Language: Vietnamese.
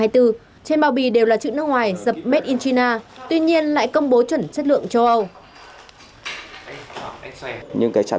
trên bao bì đều là chữ nước ngoài dập made in china tuy nhiên lại công bố chuẩn chất lượng châu âu